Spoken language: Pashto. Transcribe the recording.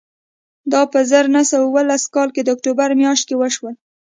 دا په زر نه سوه اوولس کال د اکتوبر میاشت کې وشول